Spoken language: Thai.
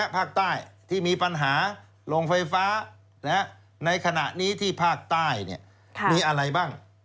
ภาคใต้ที่มีปัญหาโรงไฟฟ้าในขณะนี้ที่ภาคใต้มีอะไรบ้าง